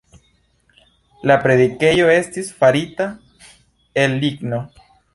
La predikejo estis farita el ligno.